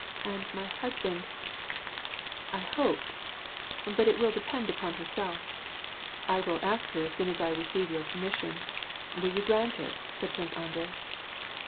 And my husband, — I hope — but it will depend upon herself." WAR AND P^ACE. 2S1 " I will ask her as soon as I receive your permission : will you grant it ?" said Prince Andrei.